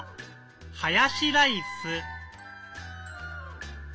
「ハヤシライス」。